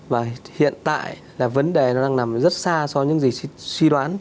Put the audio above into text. và hiện tại là vấn đề nó đang nằm rất xa so với những gì suy đoán